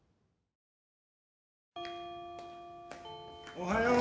おはよう。